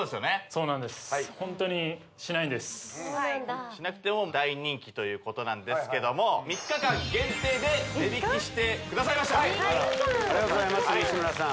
そうなんですしなくても大人気ということなんですけども３日間限定で値引きしてくださいました３日間ありがとうございます西村さん